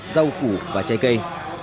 rau củ và trái cây